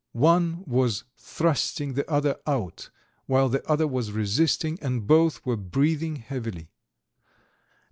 One was thrusting the other out, while the other was resisting, and both were breathing heavily.